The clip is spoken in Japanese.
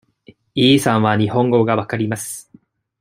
イさんは日本語が分かります。